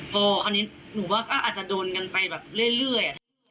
พอคราวนี้หนูว่าก็อาจจะโดนกันไปแบบเรื่อย